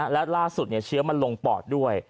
และล่าสุดเชื้อมันลงปอดด้วย